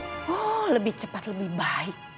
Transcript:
oh lebih cepat lebih baik